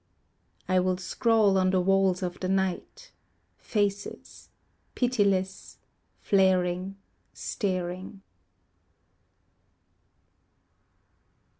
I will scrawl on the walls of the night Faces, Pitiless, Flaring, Staring.